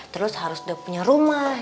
terus harus udah punya rumah